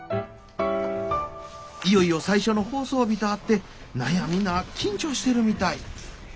いよいよ最初の放送日とあって何やみんな緊張してるみたい。